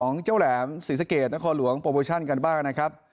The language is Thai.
ของเจ้าแหลมศรีสะเกดนครหลวงโปรโมชั่นกันบ้างนะครับ